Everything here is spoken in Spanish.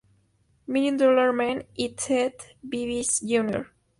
Million Dollar Man y Ted DiBiase, Jr.